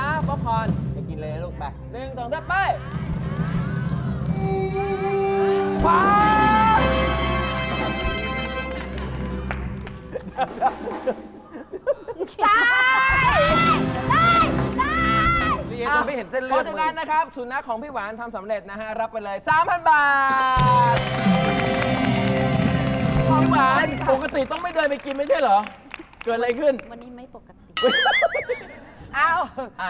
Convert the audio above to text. อ้าวทำอะไรอ่ะ